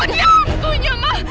kamu diantunya ma